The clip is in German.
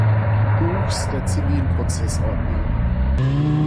Buchs der Zivilprozessordnung.